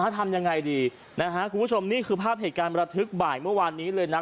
ทำยังไงดีนะฮะคุณผู้ชมนี่คือภาพเหตุการณ์ประทึกบ่ายเมื่อวานนี้เลยนะ